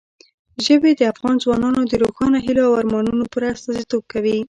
ژبې د افغان ځوانانو د روښانه هیلو او ارمانونو پوره استازیتوب کوي.